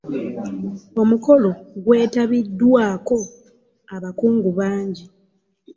Omukolo gwetabiddwako abakungu bangi.